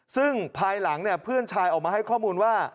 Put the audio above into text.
ซึ่งภายหลังเพื่อนชายออกมาให้ข้อมูลว่า